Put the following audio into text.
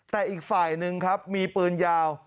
แต่อีกฝ่ายหนึ่งครับมีปืนยาว